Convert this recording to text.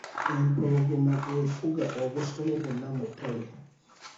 Empologoma efuga obusolo bwonna mu ttale.